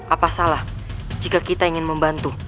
apa salah jika kita ingin membantu